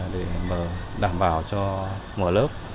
để đảm bảo cho mọi lớp